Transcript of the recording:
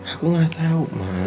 aku gak tau